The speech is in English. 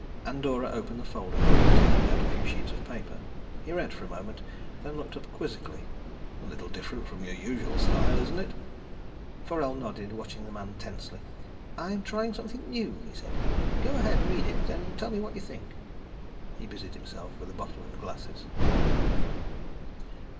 Andorra opened the folder, taking out a few sheets of paper. He read for a moment, then looked up quizzically. "A little different from your usual style, isn't it?" Forell nodded, watching the man tensely. "I'm trying something new," he said. "Go ahead and read it, then tell me what you think." He busied himself with a bottle and glasses.